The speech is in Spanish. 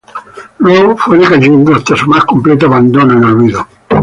Luego fue decayendo hasta su más completo abandono y olvido.